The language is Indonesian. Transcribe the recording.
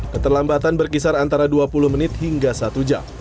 keterlambatan berkisar antara dua puluh menit hingga satu jam